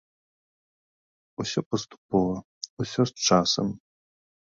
Усё паступова, усё з часам.